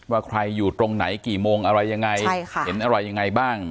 ว่าใครอยู่ตรงไหนกี่โมงอะไรยังไงเห็นอะไรยังไงบ้าง